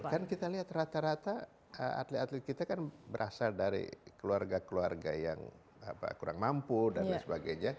kan kita lihat rata rata atlet atlet kita kan berasal dari keluarga keluarga yang kurang mampu dan lain sebagainya